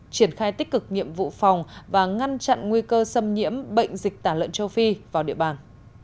triển khai tích cực nhiệm vụ phòng và ngăn chặn nguy cơ xâm nhiễm bệnh dịch tả lợn châu phi vào địa bàn